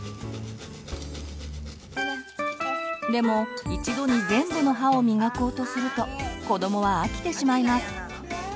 でも一度に全部の歯をみがこうとすると子どもは飽きてしまいます。